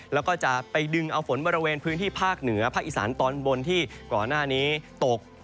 แล้วก็จะไปดึงเอาฝนบริเวณพื้นที่ภาคเหนือภาคอีสานตอนบนที่ก่อนหน้านี้ตก